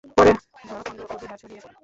পরে ঝাড়খণ্ড ও বিহার-এ ছড়িয়ে পড়ে।